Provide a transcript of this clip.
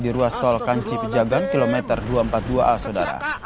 di ruas tol kanci pejagan kilometer dua ratus empat puluh dua a saudara